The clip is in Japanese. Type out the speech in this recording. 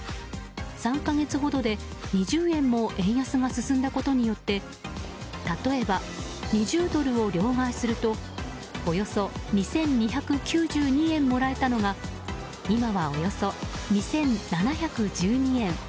３か月ほどで２０円も円安が進んだことによって例えば２０ドルを両替するとおよそ２２９２円もらえたのが今は、およそ２７１２円。